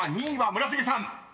村重さん］